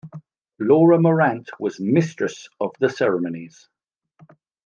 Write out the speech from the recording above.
Laura Morante was mistress of the ceremonies.